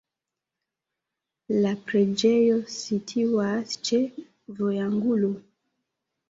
La preĝejo situas ĉe vojangulo.